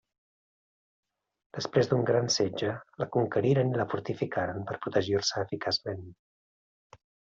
Després d'un gran setge la conqueriren i la fortificaren per protegir-se eficaçment.